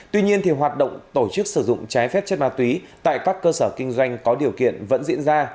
tuy nhiên hoạt động tổ chức sử dụng trái phép chất ma túy tại các cơ sở kinh doanh có điều kiện vẫn diễn ra